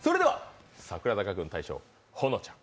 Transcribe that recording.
櫻坂軍大将、保乃ちゃん